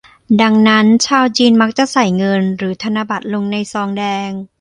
ดังนั้น ชาวจีนมักจะใส่เงิน หรือธนบัตรลงในซองแดง